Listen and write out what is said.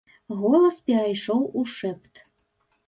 Голас перайшоў у шэпт.